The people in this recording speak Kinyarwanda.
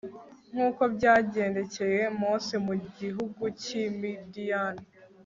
nk'uko byagendekeye mose mu gihugu cy'i midiyani